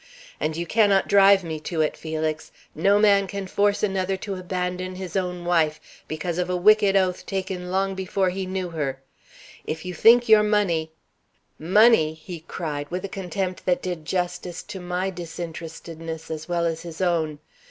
And you cannot drive me to it, Felix. No man can force another to abandon his own wife because of a wicked oath taken long before he knew her. If you think your money " "Money?" he cried, with a contempt that did justice to my disinterestedness as well as his own.